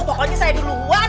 pokoknya saya duluan